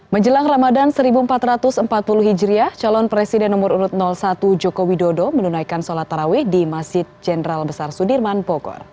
menjelang ramadan seribu empat ratus empat puluh hijriah calon presiden nomor urut satu joko widodo menunaikan sholat taraweh di masjid jenderal besar sudirman bogor